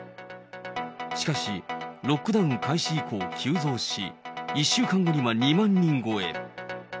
しかし、ロックダウン開始以降急増し、１週間後には２万人超え。